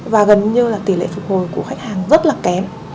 và gần như là tỷ lệ phục hồi của khách hàng rất là kém